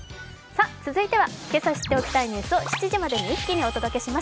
続いてはけさ知っておきたいニュースを７時までに一気にお届けします。